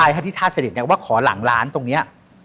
ใช่ท่าเสด็จว่าขอหลังร้านตรงนี้